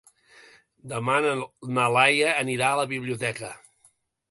Demà na Laia anirà a la biblioteca.